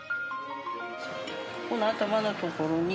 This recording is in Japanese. ・この頭のところに。